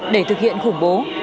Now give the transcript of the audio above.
để thực hiện khủng bố